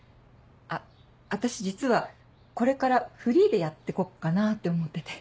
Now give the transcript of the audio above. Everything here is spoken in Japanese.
あっ私実はこれからフリーでやってこっかなって思ってて。